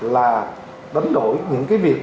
là đánh đổi những cái việc